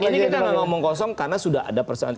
ini kita gak ngomong kosong karena sudah ada persoalan